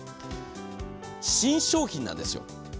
新商品なんですよ。